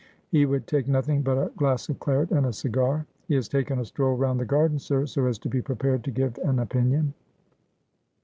He would take nothing but a glass of claret and a cigar. He has taken a stroll round the gardens, sir, so as to be prepared to give an opinion.'